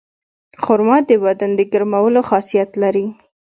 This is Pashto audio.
خرما د بدن د ګرمولو خاصیت لري.